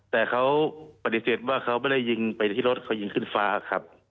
แต่เขาปฏิเสธว่าเขาไม่ได้ยิงไปที่รถเขายิงขึ้นฟ้าครับ